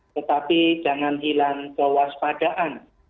tetapi jangan hilang kewaspadaan